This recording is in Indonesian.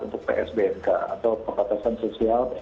untuk psbnk atau pembatasan sosial